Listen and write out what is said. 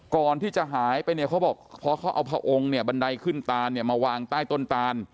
ก่อนที่จะหายไปเขาบอกเพราะเขาเอาพระองค์บันไดขึ้นตานมาวางใต้ต้นตาน